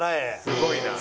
すごいな。